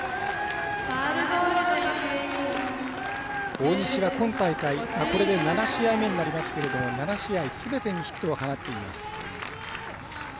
大西は今大会、これで７試合目になりますけど７試合、すべてにヒットを放っています。